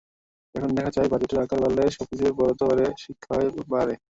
এখন দেখা যায়, বাজেটের আকার বাড়লে সবকিছুর বরাদ্দই বাড়ে, শিক্ষায়ও বাড়ে।